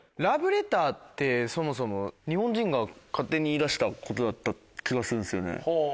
ラブレターってそもそも日本人が勝手に言い出したことだった気がするんですよね。